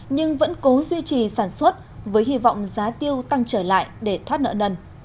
nhưng vẫn cố duy trì sản xuất với hy vọng giá tiêu tăng trở lại để thoát nợ nần